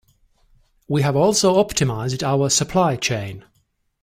We have also optimised our supply chain.